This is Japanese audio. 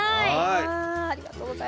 はい。